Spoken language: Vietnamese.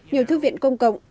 nhiều thư viện công cộng